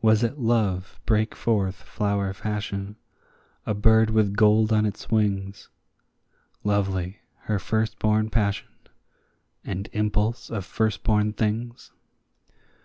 Was it Love brake forth flower fashion, a bird with gold on his wings, Lovely, her firstborn passion, and impulse of firstborn things?